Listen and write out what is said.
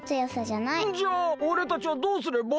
じゃあおれたちはどうすれば？